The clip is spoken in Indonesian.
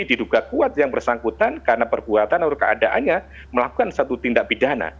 diduga kuat yang bersangkutan karena perbuatan atau keadaannya melakukan satu tindak pidana